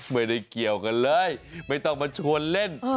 ไม่ได้เกี่ยวกันเลยไม่ต้องมาชวนเล่น